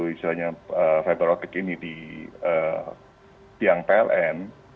misalnya fiber optic ini di piang pln